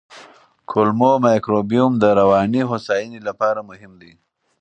کولمو مایکروبیوم د رواني هوساینې لپاره مهم دی.